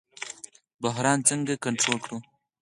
بحران څنګه کنټرول کړو؟